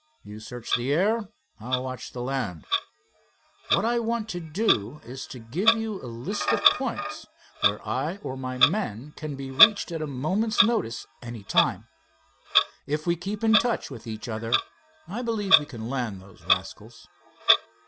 You search the air, I'll watch the land. What I want to do is to give you a list of points where I or my men can be reached at a moment's notice any time. If we keep in touch with each other, I believe we can land those rascals."